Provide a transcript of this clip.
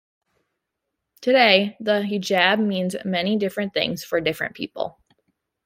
Today the hijab means many different things for different people.